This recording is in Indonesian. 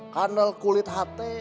kandal kulit hati